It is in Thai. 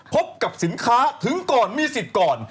พบกับสินค้าถึงก่อนมีสิทธิ์ก่อน